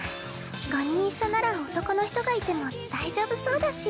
５人一緒なら男の人がいても大丈夫そうだし。